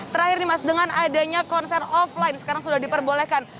terakhir nih mas dengan adanya konser offline sekarang sudah diperbolehkan